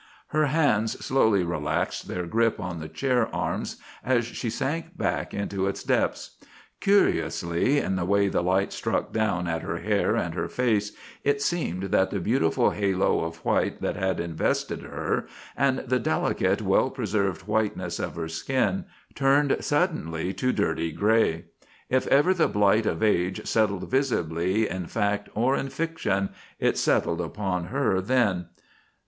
_" Her hands slowly relaxed their grip on the chair arms as she sank back into its depths. Curiously, in the way the light struck down at her hair and her face, it seemed that the beautiful halo of white that had invested her, and the delicate, well preserved whiteness of her skin, turned suddenly to dirty grey. If ever the blight of age settled visibly in fact or in fiction, it settled upon her then.